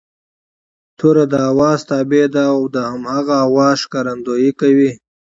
توری د آواز تابع دی او د هماغه آواز ښکارندويي کوي